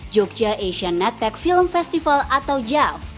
jogja asian night pack film festival atau jav